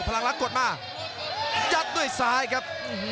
พลังลักษดมายัดด้วยซ้ายครับ